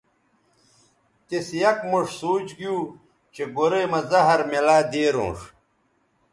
تِس یک موݜ سوچ گیو چہء گورئ مہ زہر میلہ دیرونݜ